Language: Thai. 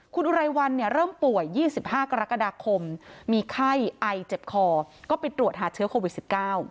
คุณอุไรวันเนี่ยเริ่มป่วย๒๕กรกฎาคมมีไข้ไอเจ็บคอก็ไปตรวจหาเชื้อโควิด๑๙